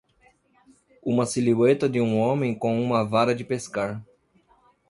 Uma silhueta de um homem com uma vara de pescar.